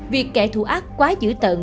việc kẻ thù ác quá dữ tận